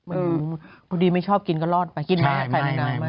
อืมพอดีไม่ชอบกินก็รอดไปกินไหมใครไม่ได้